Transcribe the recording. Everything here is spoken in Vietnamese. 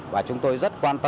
và chúng tôi rất quan tâm